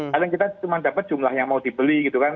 kadang kita cuma dapat jumlah yang mau dibeli gitu kan